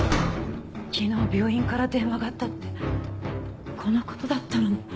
昨日病院から電話があったってこの事だったのね。